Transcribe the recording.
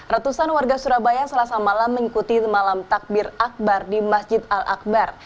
ratusan warga surabaya selasa malam mengikuti malam takbir akbar di masjid al akbar